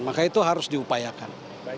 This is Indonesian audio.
maka itu harus diupayakan